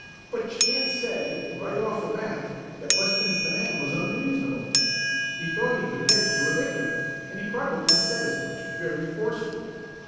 But you can't say, right off the bat, that Weston's demand was unreasonable. He thought he could pitch to a victory, and he probably said as much, very forcibly.